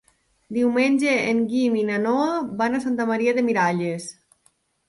Diumenge en Guim i na Noa van a Santa Maria de Miralles.